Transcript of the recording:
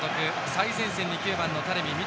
最前線に９番のタレミ。